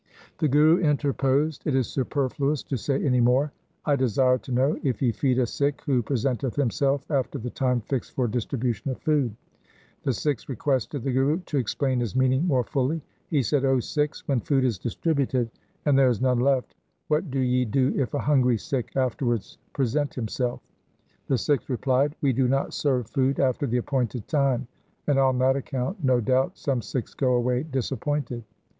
The Guru interposed. 'It is superfluous to say any more. I desire to know if ye feed a Sikh who presenteth himself after the time fixed for distribu tion of food.' The Sikhs requested the Guru to explain his meaning more fully. He said, ' O Sikhs, when food is distributed and there is none left, what do ye do if a hungry Sikh afterwards present himself ?' The Sikhs replied, ' We do not serve food after the appointed time, and on that account no doubt some Sikhs go away disappointed.'